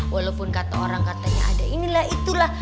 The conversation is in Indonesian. walaupun kata orang katanya ada inilah itulah